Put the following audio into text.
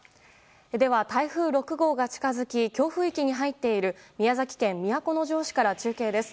では、台風６号が近づき強風域に入っている宮崎県都城市から中継です。